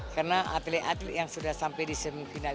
karena atlet atlet yang sudah sampai di semifinal